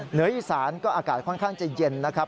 เหนืออีสานก็อากาศค่อนข้างจะเย็นนะครับ